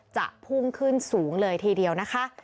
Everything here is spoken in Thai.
จะพุ่งขึ้นสูงเลยทีเดียวนะคะ